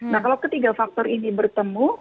nah kalau ketiga faktor ini bertemu